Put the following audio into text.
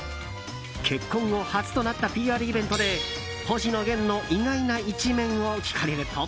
結婚後初となったＰＲイベントで星野源の意外な一面を聞かれると。